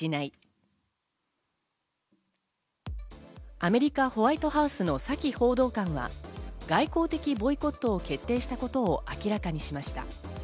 アメリカ・ホワイトハウスのサキ報道官が、外交的ボイコットを決定したことを明らかにしました。